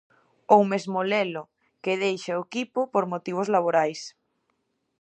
Ou mesmo Lelo, que deixa o equipo por motivos laborais.